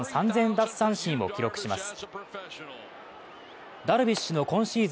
奪三振を記録します。